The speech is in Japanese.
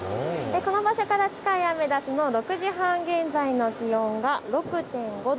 この場所から近いアメダスの６時半現在の気温が６．５度。